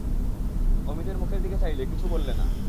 অমিতর মুখের দিকে চাইলে, কিছু বললে না।